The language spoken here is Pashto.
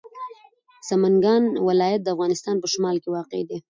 سمنګان ولایت د افغانستان په شمال کې واقع دی.